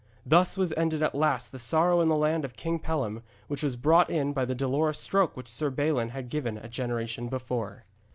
Thus was ended at last the sorrow in the land of King Pellam which was brought in by the Dolorous Stroke which Sir Balin had given a generation before.